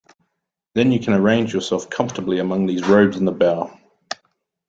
Then you can arrange yourself comfortably among these robes in the bow.